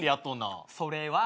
それは。